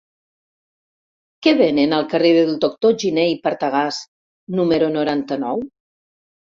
Què venen al carrer del Doctor Giné i Partagàs número noranta-nou?